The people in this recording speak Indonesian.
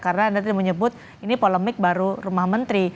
karena anda tadi menyebut ini polemik baru rumah menteri